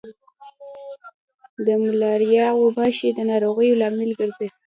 د ملاریا غوماشي د ناروغیو لامل ګرځي.